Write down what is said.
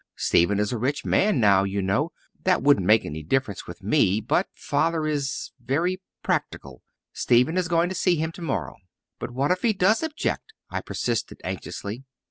Stephen is a rich man now, you know. That wouldn't make any difference with me but Father is very practical. Stephen is going to see him tomorrow." "But what if he does object?" I persisted anxiously.